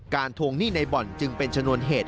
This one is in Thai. ทวงหนี้ในบ่อนจึงเป็นชนวนเหตุ